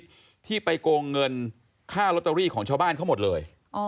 ที่ไปโกงเงินค่าลอตเตอรี่ของชาวบ้านเขาหมดเลย